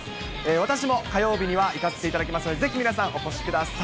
私も火曜日には行かせていただきますので、ぜひおこしください。